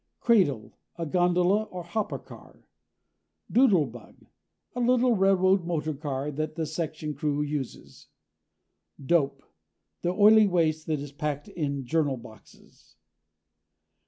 CRADLE a gondola or hopper car. DOODLEBUG a little railroad motor car that the section crew uses. DOPE the oily waste that is packed in journal boxes.